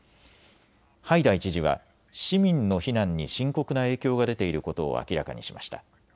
ハイダイ知事は市民の避難に深刻な影響が出ていることを明らかにしました。